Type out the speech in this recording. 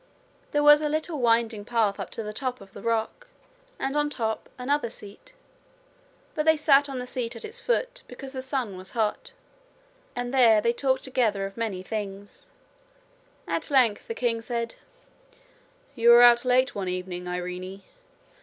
There was a little winding path up to the top of the rock, and on top another seat; but they sat on the seat at its foot because the sun was hot; and there they talked together of many things. At length the king said: 'You were out late one evening, Irene.'